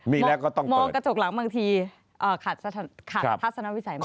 มองกระจกหลังบางทีขาดพัฒนาวิสัยมาก